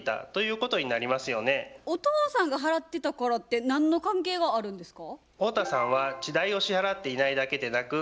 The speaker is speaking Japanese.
お父さんが払ってたからって何の関係があるんですか？